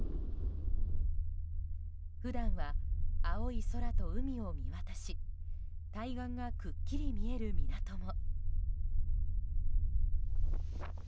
普段は、青い空と海を見渡し対岸がくっきり見える港も。